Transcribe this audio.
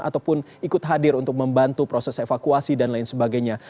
ataupun ikut hadir untuk membantu proses evakuasi dan lain sebagainya